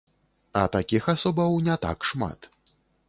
А такіх асобаў не так шмат.